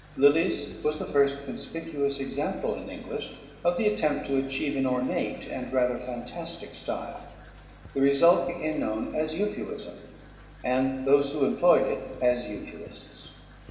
Lyly's was the first conspicuous example in English of the attempt to achieve an ornate and rather fantastic style. The result became known as euphuism, and those who employed it as euphuists.